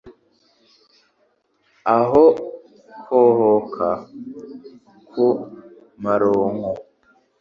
aho kohoka ku maronko